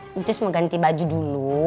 mitu mau ganti baju dulu